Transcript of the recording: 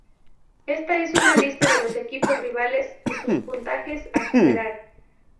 Esta es una lista de los equipos rivales y sus puntajes a superar.